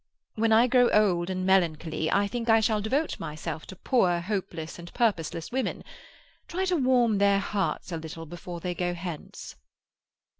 When I grow old and melancholy, I think I shall devote myself to poor hopeless and purposeless women—try to warm their hearts a little before they go hence."